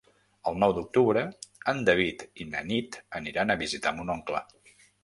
El nou d'octubre en David i na Nit aniran a visitar mon oncle.